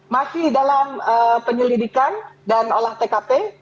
masih dalam penyelidikan dan olah tkp